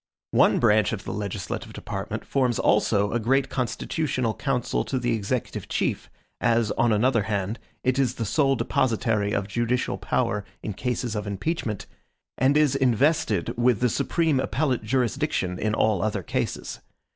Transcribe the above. One branch of the legislative department forms also a great constitutional council to the executive chief, as, on another hand, it is the sole depositary of judicial power in cases of impeachment, and is invested with the supreme appellate jurisdiction in all other cases.